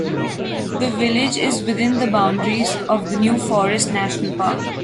The village is within the boundaries of the New Forest National Park.